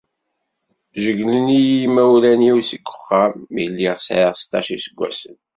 Jeyylen-iyi yimawlan-iw seg uxxam mi lliɣ sεiɣ seṭṭac iseggasen.